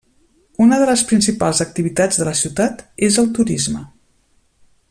Una de les principals activitats de la ciutat és el turisme.